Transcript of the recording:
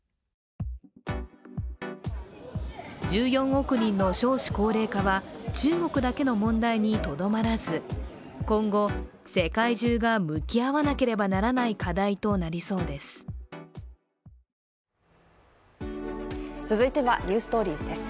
１４億人の少子高齢化は、中国だけの問題にとどまらず、今後、世界中が向き合わなければならない課題となりそうです。